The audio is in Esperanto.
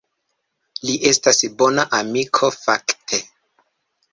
Li estas bona amiko fakte.